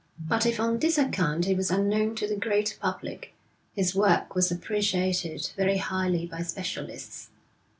But if on this account he was unknown to the great public, his work was appreciated very highly by specialists.